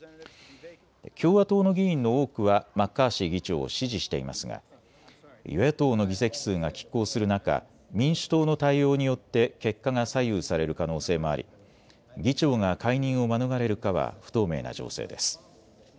共和党の議員の多くはマッカーシー議長を支持していますが与野党の議席数がきっ抗する中、民主党の対応によって結果が左右される可能性もあり議長が解任を免れるかは不透明な情勢です。